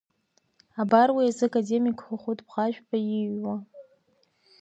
Абар уи азы академик Хәыхәыт Бӷажәба ииҩуа…